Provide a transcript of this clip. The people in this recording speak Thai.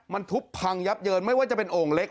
มันทุบพังยับเยินไม่ว่าจะเป็นโอ่งเล็ก